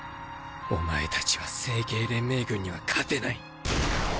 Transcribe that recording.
お前たちは星系連盟軍には勝てない。